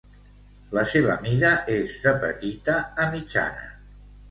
La seva mida és de petita a mitjana.